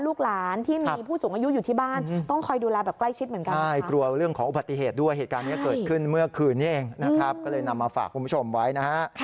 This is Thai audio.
ลูกหลานที่มีผู้สูงอายุอยู่ที่บ้าน